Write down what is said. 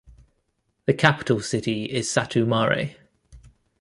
The capital city is Satu Mare.